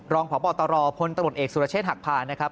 รองพบตรพลตำรวจเอกสุรเชษฐหักพานะครับ